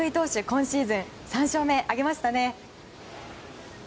今シーズン３勝目を挙げましたね。